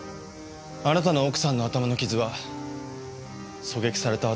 あなたの奥さんの頭の傷は狙撃された